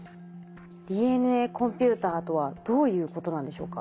ＤＮＡコンピューターとはどういうことなんでしょうか？